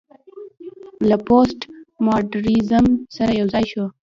له پوسټ ماډرنيزم سره يوځاى شو